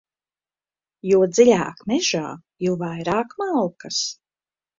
Jo dziļāk mežā, jo vairāk malkas.